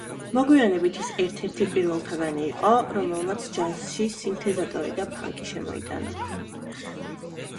მოგვიანებით ის ერთ-ერთი პირველთაგანი იყო, რომელმაც ჯაზში სინთეზატორი და ფანკი შემოიტანა.